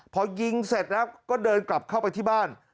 พอยิงเสร็จแล้วก็เดินกลับเข้าไปที่บ้าน